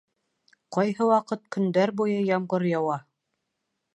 Ҡайһы ваҡыт көндәр буйы ямғыр яуа.